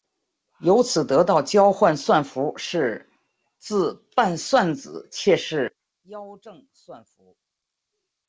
由此得到交换算符是自伴算子且是幺正算符。